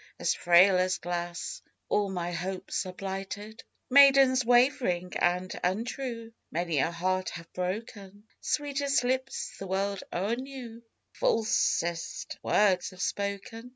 as frail as glass: All my hopes are blighted. Maidens wav'ring and untrue, Many a heart have broken; Sweetest lips the world e'er knew, Falsest words have spoken.